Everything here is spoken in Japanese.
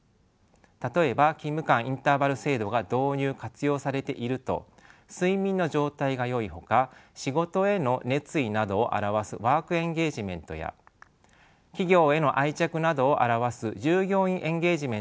例えば勤務間インターバル制度が導入・活用されていると睡眠の状態がよいほか仕事への熱意などを表すワークエンゲージメントや企業への愛着などを表す従業員エンゲージメントもよくなっています。